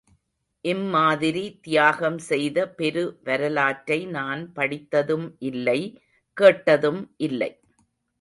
இம்மாதிரி தியாகம் செய்த பெரு வரலாற்றை நான் படித்ததும் இல்லை, கேட்டதும் இல்லை.